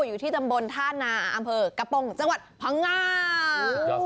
อยู่ที่จำบลธาตุหนาอำเภอกระปงจังหวัดภังงา